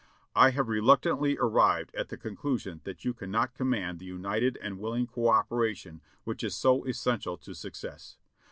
I have reluctantly arrived at the conclusion that you cannot command the united and willing co operation which is so es sential to success.